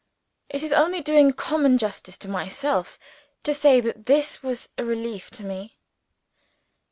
It is only doing common justice to myself to say that this was a relief to me.